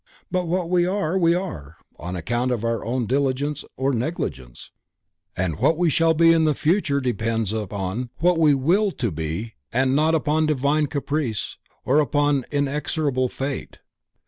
But what we are, we are, on account of our own diligence or negligence, and what we shall be in the future depends upon what we will to be and not upon Divine caprice or upon inexorable fate.